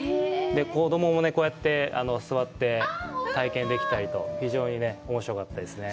子供もこうやって座って体験できたりと、非常におもしろかったですね。